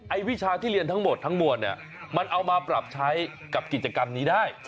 วิชาที่เรียนทั้งหมดทั้งมวลเนี่ยมันเอามาปรับใช้กับกิจกรรมนี้ได้